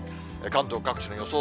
関東各地の予想